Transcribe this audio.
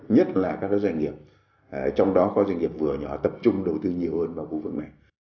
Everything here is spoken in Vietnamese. nhất là các doanh nghiệp trong đó có doanh nghiệp vừa nhỏ tập trung đầu tư nhiều hơn vào khu vực này